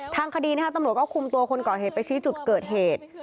ทางคดีนะฮะธรรมดูก็คุมตัวคนกอเหตุไปชี้จุดเกิดเหตุ